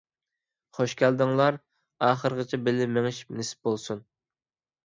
خۇش كەلدىڭلار، ئاخىرىغىچە بىللە مېڭىش نېسىپ بولسۇن.